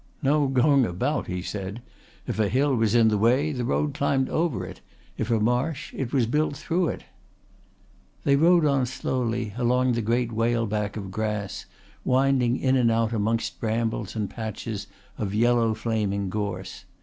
"No going about!" he said. "If a hill was in the way the road climbed over it; if a marsh it was built through it." They rode on slowly along the great whaleback of grass, winding in and out amongst brambles and patches of yellow flaming gorse.